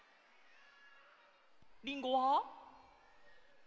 「りんご」は。